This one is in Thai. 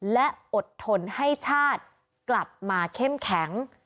และอดทนให้ชาติกลับมาเข้มแข็ง